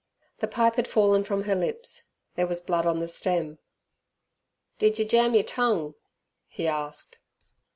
The pipe had fallen from her lips; there was blood on the stem. "Did yer jam yer tongue?" he asked.